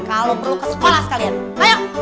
kalau perlu ke sekolah sekalian ayo